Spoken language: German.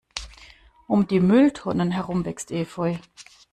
Um die Mülltonnen herum wächst Efeu.